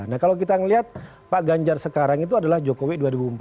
nah kalau kita melihat pak ganjar sekarang itu adalah jokowi dua ribu empat belas